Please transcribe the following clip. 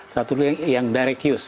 satu lagi yang direct use